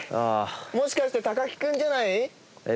もしかして木君じゃない？